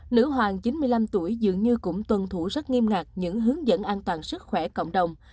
nữ hoàng chín mươi năm tuổi dường như cũng tuân thủ rất nghiêm ngặt những hướng dẫn an toàn sức khỏe cộng đồng